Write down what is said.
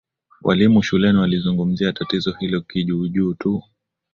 Walimu shuleni walizungumzia tatizo hilo kijuujuu tu